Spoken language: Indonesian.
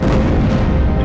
teliti juga ya